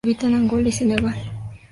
Habita en Angola y Senegal.